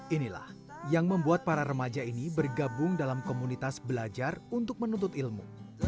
inilah yang membuat para remaja ini bergabung dalam komunitas belajar untuk menuntut ilmu